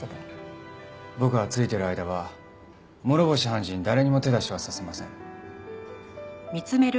僕がついてる間は諸星判事に誰にも手出しはさせません。